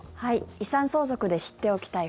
遺産相続で知っておきたい